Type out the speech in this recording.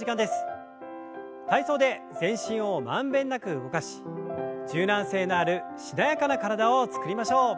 体操で全身を満遍なく動かし柔軟性のあるしなやかな体を作りましょう。